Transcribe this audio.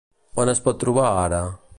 On es pot trobar, ara?